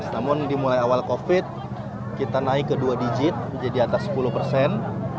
namun dimulai awal covid kita naik ke dua digit menjadi atas sepuluh persen